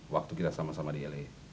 waktu kita sama sama di la